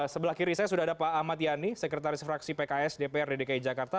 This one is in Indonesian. sebelah kiri saya sudah ada pak ahmad yani sekretaris fraksi pks dprd dki jakarta